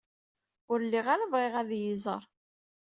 Ur lliɣ ara bɣiɣ ad iyi-iẓer.